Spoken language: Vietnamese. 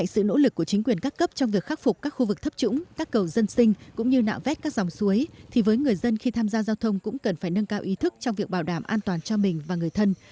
sự nỗ lực của chính quyền các cấp trong việc khắc phục các khu vực thấp trũng các cầu dân sinh cũng như nạo vét các dòng suối thì với người dân khi tham gia giao thông cũng cần phải nâng cao ý thức trong việc bảo đảm an toàn cho mình và người thân